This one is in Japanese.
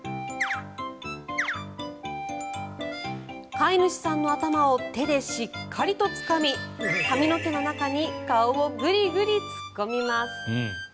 飼い主さんの頭を手でしっかりとつかみ髪の毛の中に顔をぐりぐり突っ込みます。